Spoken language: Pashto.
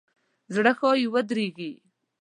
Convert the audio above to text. زړه ښایي ودریږي.